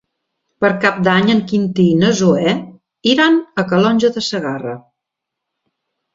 Per Cap d'Any en Quintí i na Zoè iran a Calonge de Segarra.